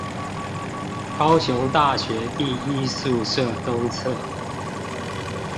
高雄大學第一宿舍東側